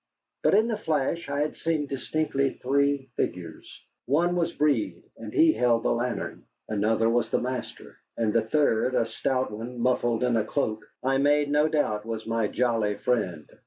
But in the flash I had seen distinctly three figures. One was Breed, and he held the lantern; another was the master; and the third, a stout one muffled in a cloak, I made no doubt was my jolly friend.